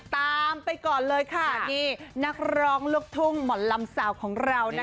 ตามไปก่อนเลยค่ะนี่นักร้องลูกทุ่งหมอนลำสาวของเรานะ